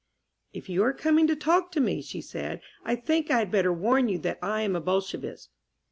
"If you are coming to talk to me," she said, "I think I had better warn you that I am a Bolshevist."